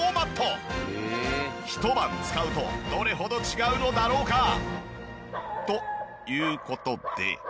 ひと晩使うとどれほど違うのだろうか？という事で。